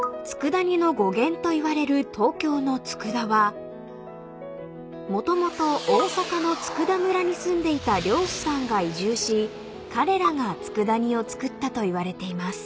佃煮の語源といわれる東京の佃はもともと大阪の佃村に住んでいた漁師さんが移住し彼らが佃煮を作ったといわれています］